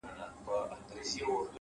مثبت فکر د ژوند رنګ روښانوي،